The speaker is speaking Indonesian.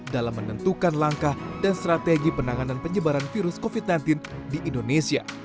dalam menentukan langkah dan strategi penanganan penyebaran virus covid sembilan belas di indonesia